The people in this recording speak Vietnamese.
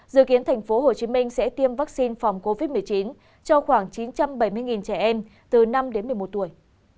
dự kiến tp hcm sẽ tiêm vaccine phòng covid một mươi chín cho khoảng chín trăm bảy mươi trẻ em từ năm đến một mươi một tuổi